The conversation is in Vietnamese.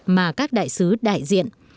mà các đại sứ đại diện